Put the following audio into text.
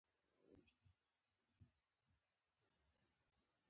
له لمرینې درملنې وروسته لکړه هم کارولای شې، قدم وهلای شې.